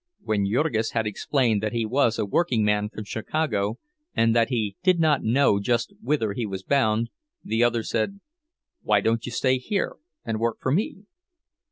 When Jurgis had explained that he was a workingman from Chicago, and that he did not know just whither he was bound, the other said, "Why don't you stay here and work for me?"